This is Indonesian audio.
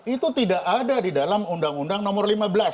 itu tidak ada di dalam undang undang nomor lima belas